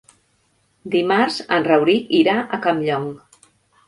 Dimarts en Rauric irà a Campllong.